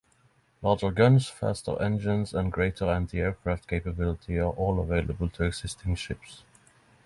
Larger guns, faster engines, and greater anti-aircraft capability are all available to existing ships.